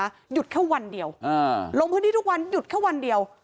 หยุดแค่วันเดียวอ่าลงพื้นที่ทุกวันหยุดแค่วันเดียว